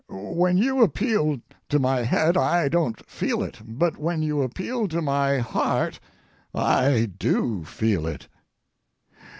When you appeal to my head, I don't feel it; but when you appeal to my heart, I do feel it.